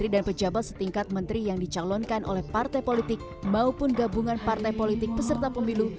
dicalonkan oleh partai politik maupun gabungan partai politik peserta pemilu